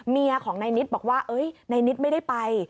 เมียของนายนิดบอกว่านายนิดไม่ได้ไป